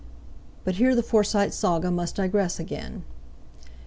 But here the Forsyte Saga must digress again....